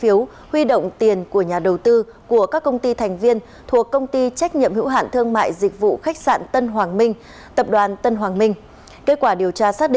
đỗ hoàng việt phó tổng giám đốc công ty trách nhiệm hữu hạn thương mại dịch vụ khách sạn tân hoàng minh